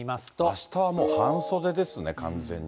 あしたはもう半袖ですね、完全に。